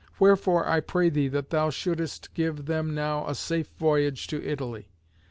Wherefore I pray thee that thou shouldest give them now a safe voyage to Italy."